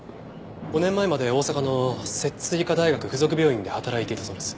５年前まで大阪の摂津医科大学附属病院で働いていたそうです。